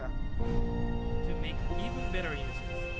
untuk membuat lebih mudah penggunaan